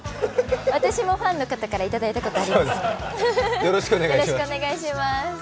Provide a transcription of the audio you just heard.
私もファンの方からいただいたことあります。